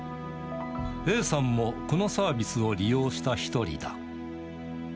Ａさんも、このサービスを利用した一人だ。